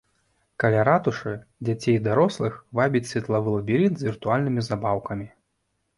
Каля ратушы дзяцей і дарослых вабіць светлавы лабірынт з віртуальнымі забаўкамі.